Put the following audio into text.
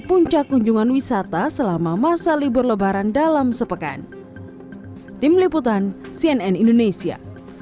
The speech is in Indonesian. puncak kunjungan wisata selama masa libur lebaran dalam sepekan tim liputan cnn indonesia